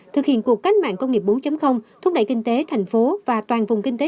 thực hiện cuộc cách mạng công nghiệp bốn thúc đẩy kinh tế thành phố và toàn vùng kinh tế